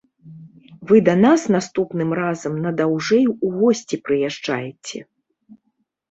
Вы да нас наступным разам на даўжэй у госці прыязджайце.